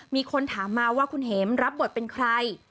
มีคนถามมาว่าคุณเห็มรับบทเป็นใคร